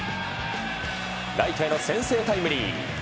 ライトへの先制タイムリー。